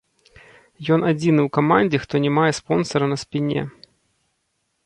Ён адзіны ў камандзе, хто не мае спонсара на спіне.